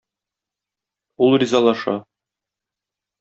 Ул ризалаша.